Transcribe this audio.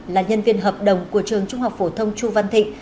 là nhân viên hợp đồng của trường trung học phổ thông chu văn thịnh